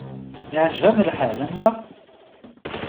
Iɛǧeb-am lḥal, anaɣ?